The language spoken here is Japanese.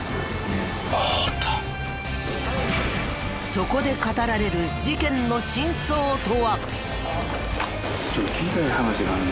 そこで語られる事件の真相とは？